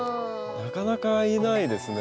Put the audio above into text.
なかなかいないですね。